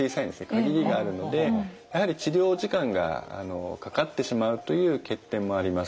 限りがあるのでやはり治療時間がかかってしまうという欠点もあります。